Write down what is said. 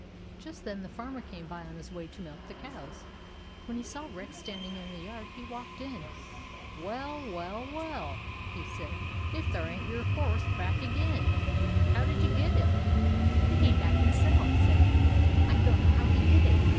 Just then the Farmer came by on his way to milk the cows. When he saw Rex stand ing in the yard he walked in. "Well, well, well!" he said. "If there ain't your horse back again ! How did you you get him ?"" He came back himself," said Mabel. " I don't know how he did it."